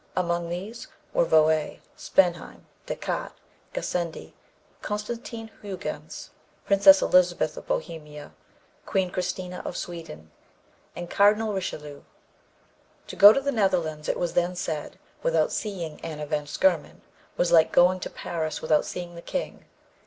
Among these were Voet, Spanheim, Descartes, Gassendi, Constantine Huyghens, Princess Elizabeth of Bohemia, Queen Christina of Sweden, and Cardinal Richelieu. To go to the Netherlands, it was then said, without seeing Anna van Schurman, was like going to Paris without seeing the king.